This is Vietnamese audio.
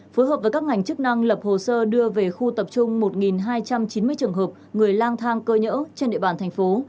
phối hợp với các ngành chức năng lập hồ sơ đưa về khu tập trung một hai trăm chín mươi trường hợp người lang thang cơ nhỡ trên địa bàn thành phố